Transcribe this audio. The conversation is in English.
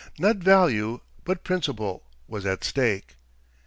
Not value, but principle, was at stake.